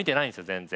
全然。